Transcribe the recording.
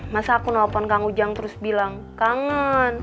masa aku nelfon kang ujang terus bilang kangen